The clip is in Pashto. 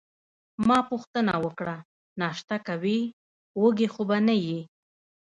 ما پوښتنه وکړه: ناشته کوې، وږې خو به نه یې؟